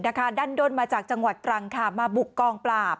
ดั้นด้นมาจากจังหวัดตรังค่ะมาบุกกองปราบ